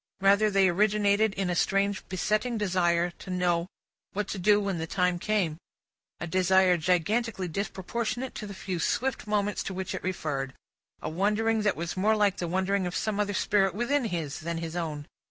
Rather, they originated in a strange besetting desire to know what to do when the time came; a desire gigantically disproportionate to the few swift moments to which it referred; a wondering that was more like the wondering of some other spirit within his, than his own.